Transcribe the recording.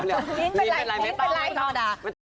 เดี๋ยวนิ้นเป็นไรไหมเปล่า